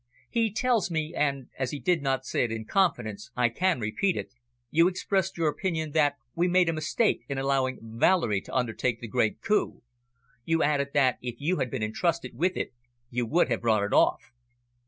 He tells me, and, as he did not say it in confidence, I can repeat it, you expressed your opinion that we made a mistake in allowing Valerie to undertake the great coup. You added that if you had been entrusted with it, you would have brought it off."